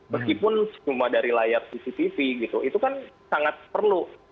meskipun cuma dari layar cctv gitu itu kan sangat perlu